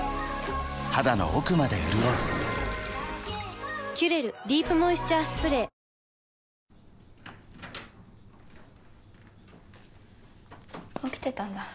肌の奥まで潤う「キュレルディープモイスチャースプレー」起きてたんだ。